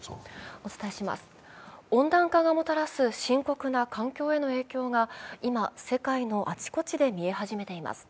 温暖化がもたらす深刻な環境への影響が今、世界のあちこちで見え始めています。